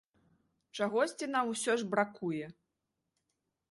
Чагосьці нам усё ж бракуе.